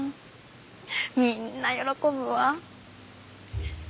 みんな喜ぶわ。